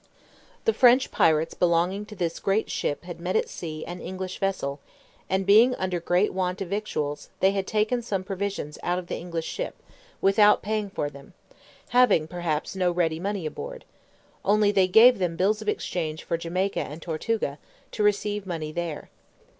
The French pirates belonging to this great ship had met at sea an English vessel; and being under great want of victuals, they had taken some provisions out of the English ship, without paying for them, having, perhaps, no ready money aboard: only they gave them bills of exchange for Jamaica and Tortuga, to receive money there.